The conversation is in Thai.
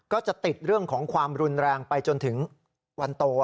ก็จะติดเรื่องของความรุนแรงไปจนถึงวันโต